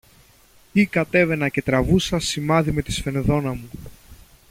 ή κατέβαινα και τραβούσα σημάδι με τη σφενδόνα μου